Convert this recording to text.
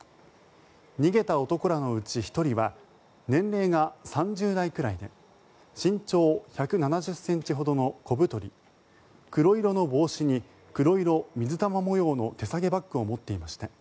逃げた男らのうち１人は年齢が３０代くらいで身長１７０ｃｍほどの小太り黒色の帽子に黒色水玉模様の手提げバッグを持っていました。